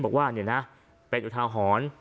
บอกว่าเนี่ยนะเป็นอยู่ทางหอน